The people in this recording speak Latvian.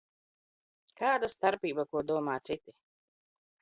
Kāda starpība, ko domā citi?